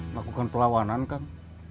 lakukan pelawanan kang